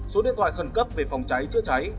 số điện thoại khẩn cấp về phòng cháy chữa cháy